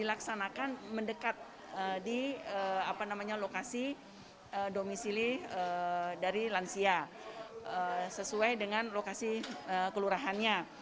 dilaksanakan mendekat di lokasi domisili dari lansia sesuai dengan lokasi kelurahannya